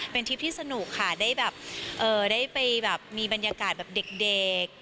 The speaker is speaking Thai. เป็นทริปที่สนุกค่ะได้ไปมีบรรยากาศเด็ก